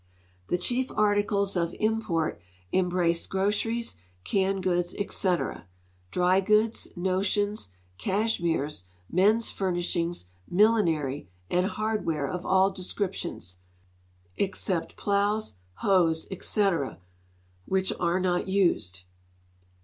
The chief aidicles of imijort embrace groceries, canned goods, etc. ; dry goods, notions, cashmeres, men's furnishings, millinery, and hardware of idl descrqitions, except plows, hoes, etc., which are not used.